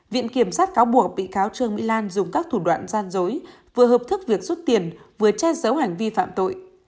viện kiểm sát cáo buộc bị cáo trương mỹ lan dùng các thủ đoạn gian dối vừa hợp thức việc rút tiền vừa che giấu hành vi phạm tội